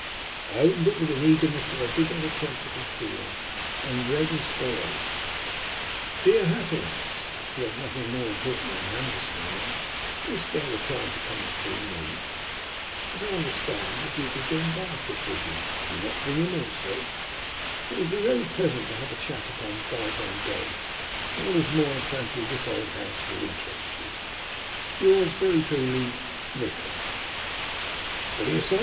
I opened it with an eagerness that I did not attempt to conceal, and read as follows "DEAR HATTERAS, "If you have nothing more important on hand this morning, can you spare the time to come and see me? As I understand the Duke of Glenbarth is with you, will you not bring him also? It will be very pleasant to have a chat upon by gone days, and, what is more, I fancy this old house will interest you. "Yours very truly, "NIKOLA." "What do you say?"